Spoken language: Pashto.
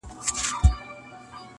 پر یوه ګور به ژوند وي د پسونو- شرمښانو-